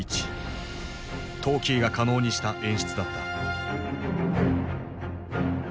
トーキーが可能にした演出だった。